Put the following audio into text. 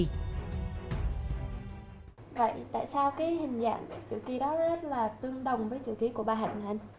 vậy tại sao cái hình dạng chữ ký đó rất là tương đồng với chữ ký của bà hạnh